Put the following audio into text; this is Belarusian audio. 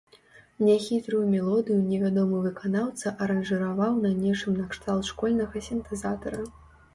Няхітрую мелодыю невядомы выканаўца аранжыраваў на нечым накшталт школьнага сінтэзатара.